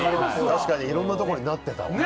確かにいろんなとこになってた。